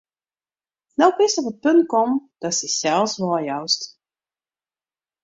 No bist op it punt kommen, datst dysels weijoust.